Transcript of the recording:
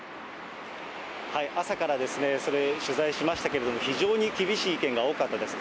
朝からそれ取材しましたけれども、非常に厳しい意見が多かったです。